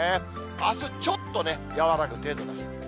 あす、ちょっとね、和らぐ程度です。